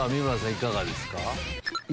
いかがですか？